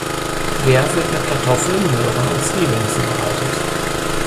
Der wird mit Kartoffeln, Möhren und Zwiebeln zubereitet.